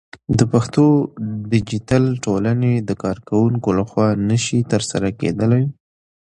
د پښتو ديجيتل ټولنې د کارکوونکو لخوا نشي ترسره کېدلى